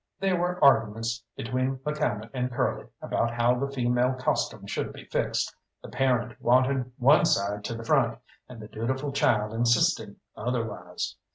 There was arguments between McCalmont and Curly about how the female costume should be fixed, the parent wanting one side to the front, and the dutiful child insisting otherwise.